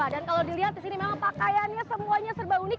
dan kalau dilihat di sini memang pakaiannya semuanya serba unik